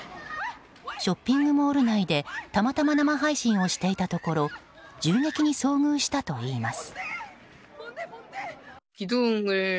ショッピングモール内でたまたま生配信をしていたところ銃撃に遭遇したといいます。